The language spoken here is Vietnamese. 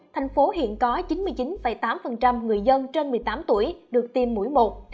tp hcm hiện có chín mươi chín tám người dân trên một mươi tám tuổi được tiêm mũi một